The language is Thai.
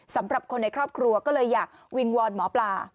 สำหรับคนในครอบครัวก็เลยอยากวิงวอนหมอปลา